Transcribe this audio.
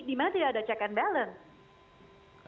dimana tidak ada check and balance